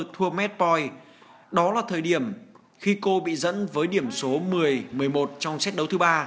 thuatoi đó là thời điểm khi cô bị dẫn với điểm số một mươi một mươi một trong xét đấu thứ ba